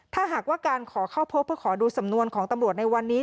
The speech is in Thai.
ถ้าหากว่าการขอเข้าพบเพื่อขอดูสำนวนของตำรวจในวันนี้